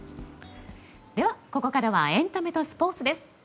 ここからはエンタメとスポーツです。